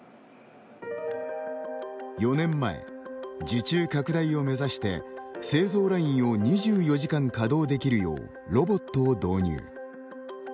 ４年前、受注拡大を目指して製造ラインを２４時間稼働できるようロボットを導入。